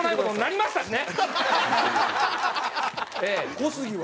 小杉は？